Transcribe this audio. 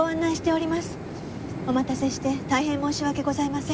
お待たせして大変申し訳ございません。